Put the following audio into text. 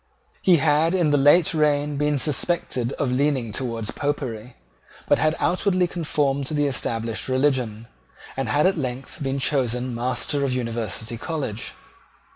He had in the late reign been suspected of leaning towards Popery, but had outwardly conformed to the established religion, and had at length been chosen Master of University College.